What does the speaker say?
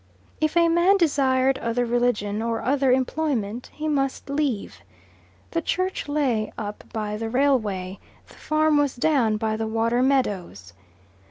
If a man desired other religion or other employment he must leave. The church lay up by the railway, the farm was down by the water meadows.